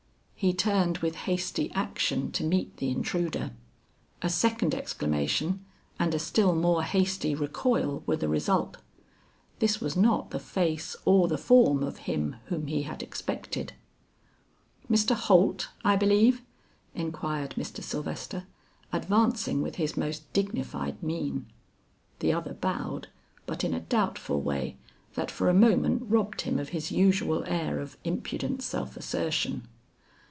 he turned with hasty action to meet the intruder. A second exclamation and a still more hasty recoil were the result. This was not the face or the form of him whom he had expected. "Mr. Holt, I believe?" inquired Mr. Sylvester, advancing with his most dignified mien. The other bowed, but in a doubtful way that for a moment robbed him of his usual air of impudent self assertion.